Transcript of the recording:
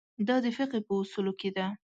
دا د فقهې په اصولو کې ده.